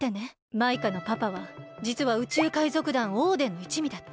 マイカのパパはじつは宇宙海賊団オーデンのいちみだった。